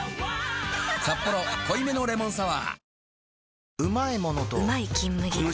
「サッポロ濃いめのレモンサワー」